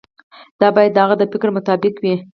دا باید د هغه د فکر مطابق وي.